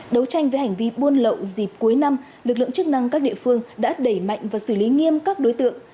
đấu tranh với hành vi buôn lậu dịp cuối năm lực lượng chức năng các địa phương đã đẩy mạnh và xử lý nghiêm các đối tượng